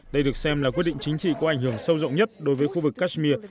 đây được xem là quyết định chính trị có ảnh hưởng sâu rộng nhất đối với khu vực kashmir